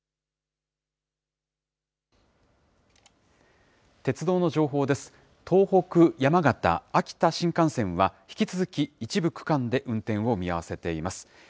東北、山形、秋田新幹線は、引き続き一部区間で運転を見合わせています。